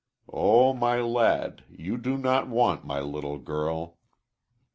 Oh, my lad! you do not want my little girl.'"